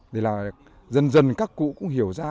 để là dần dần các cụ cũng hiểu ra